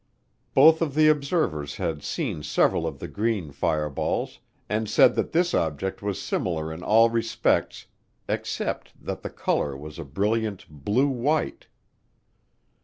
Both of the observers had seen several of the green fireballs and said that this object was similar in all respects except that the color was a brilliant blue white.